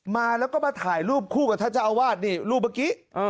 มาแล้วก็มาถ่ายรูปคู่กับท่านเจ้าอาวาสนี่รูปเมื่อกี้